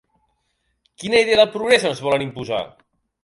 Quina idea del progrés ens volen imposar?